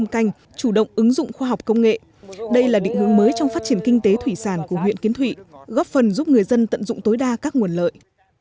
canh chủ động ứng dụng khoa học công nghệ đây là định hướng mới trong phát triển kinh tế thủy sản của huyện kiến thụy góp phần giúp người dân tận dụng tối đa các nguồn lợi